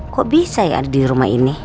kok bisa yang ada di rumah ini